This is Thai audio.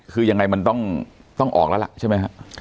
คือยังไงมันต้องออกแล้วล่ะใช่มั้ยครับ